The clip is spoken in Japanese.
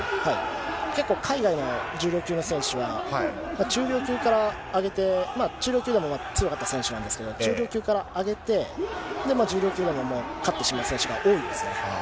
結構、海外の重量級の選手は、中量級から上げて、中量級でも強かった選手なんですけど、中量級から上げて、重量級でも勝ってしまう選手が多いですね。